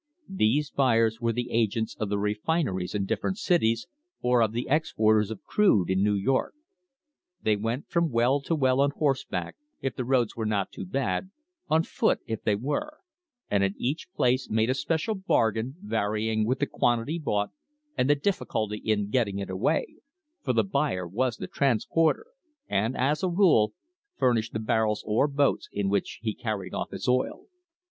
These buyers were the agents of the refin eries in different cities, or of the exporters of crude in New York. They went from well to well on horseback, if the roads were not too bad, on foot if they were, and at each place made a special bargain varying with the quantity bought and the difficulty in getting it away, for the buyer was the transporter, and, as a rule, furnished the barrels or boats in which he carried off his oil.